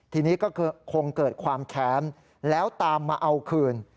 ทีนี้ก็คงเกิดความแค้นแล้วตามมาเอาคืน